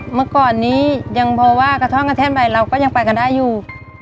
เมื่อก่อนนี้ยังพอว่ากระท่องกระแท่นไปเราก็ยังไปกันได้อยู่